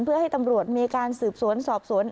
เพื่อให้ตำรวจมีการสืบสวนสอบสวน